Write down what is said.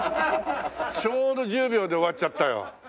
ちょうど１０秒で終わっちゃったよ。